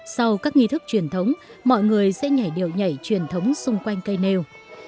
sau các nghi thức truyền thống mọi người sẽ nhảy điệu nhảy truyền thống xung quanh cây nêu